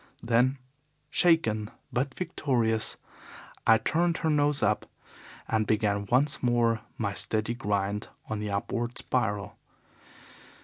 Then, shaken but victorious, I turned her nose up and began once more my steady grind on the upward spiral.